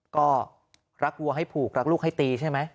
ก็รักวัวให้ผูกรักลูกให้ตีใช่ไหม